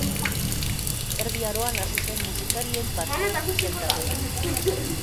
Erdi Aroan hasi zen musikarien patroi izendapen hori.